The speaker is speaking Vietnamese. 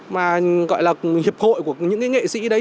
mà gọi là hiệp hội của những cái nghệ sĩ đấy